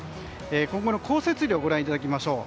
今後の降雪量をご覧いただきましょう。